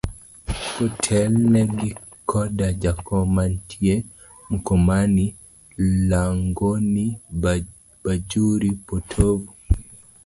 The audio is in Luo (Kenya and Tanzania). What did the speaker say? Kotelne gi koda jakom mantie Mkomani, Langoni, Bajuri, potovu.